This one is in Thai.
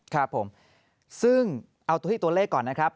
ครับผมซึ่งเอาตัวที่ตัวเลขก่อนนะครับ